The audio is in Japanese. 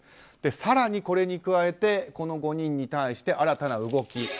更に、これに加えてこの５人に対して新たな動き。